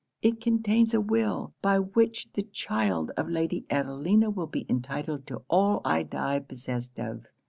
It contains a will, by which the child of Lady Adelina will be entitled to all I die possessed of.